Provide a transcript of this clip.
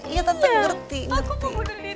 iya tante ngerti